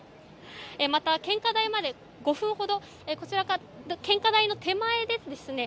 また、献花台まで５分ほど献花前の手前ですね